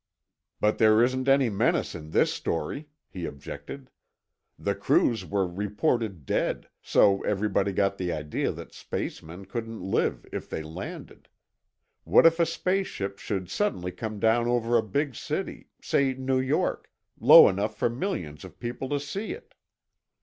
"But there isn't any menace in this story," he objected. "The crews were reported dead, so everybody got the idea that spacemen couldn't live if they landed. What if a space ship should suddenly come down over a big city—say New York—low enough for millions of people to see it?"